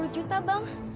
tujuh puluh juta bang